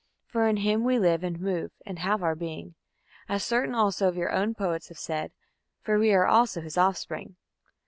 for in him we live, and move, and have our being; as certain also of your own poets have said, For we are also his offspring.